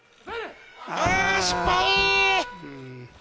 あ、失敗！